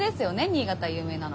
新潟有名なのが。